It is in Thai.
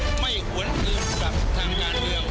ไม่หวนอื่นกับทางงานเรื่อง